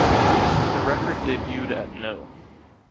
The record debuted at no.